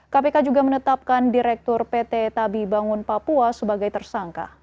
kpk juga menetapkan direktur pt tabi bangun papua sebagai tersangka